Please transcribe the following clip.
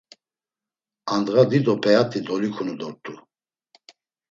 Andğa dido p̌eat̆i dolikunu dort̆u.